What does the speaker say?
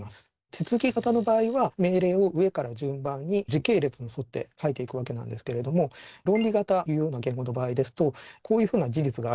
手続き型の場合は命令を上から順番に時系列に沿って書いていくわけなんですけれども論理型いうような言語の場合ですとこういうふうな事実がある。